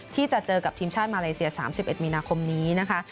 ที่จะเจอกับทีมชาติมาเลเซีย๓๑มีนาคมนี้นะคะ